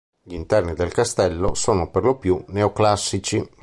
Gli interni del castello sono perlopiù neoclassici.